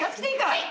はい。